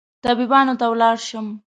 طبيبانو ته ولاړ شم